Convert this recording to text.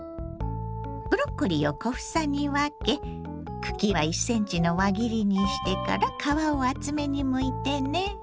ブロッコリーを小房に分け茎は１ｃｍの輪切りにしてから皮を厚めにむいてね。